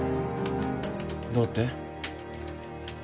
どうって？